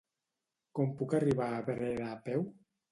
Com puc arribar a Breda a peu?